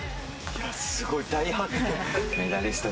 すごい大発見。